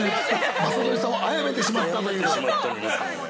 ◆まさのりさんをあやめてしまったという。